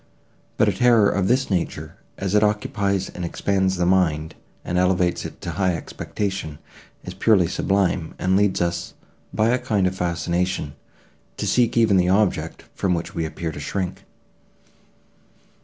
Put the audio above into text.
But a terror of this nature, as it occupies and expands the mind, and elevates it to high expectation, is purely sublime, and leads us, by a kind of fascination, to seek even the object, from which we appear to shrink.